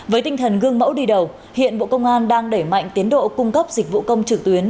với tinh thần gương mẫu đi đầu hiện bộ công an đang đẩy mạnh tiến độ cung cấp dịch vụ công trực tuyến